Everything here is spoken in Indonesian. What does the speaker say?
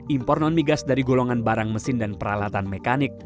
impor non migas dari golongan barang mesin dan peralatan mekanik